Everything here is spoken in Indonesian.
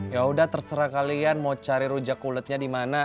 yaudah terserah kalian mau cari rujak mulutnya di mana